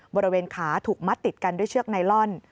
บริเวณขาถูกมัดติดกันด้วยเชือกไนลอน